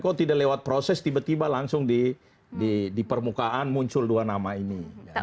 kok tidak lewat proses tiba tiba langsung di permukaan muncul dua nama ini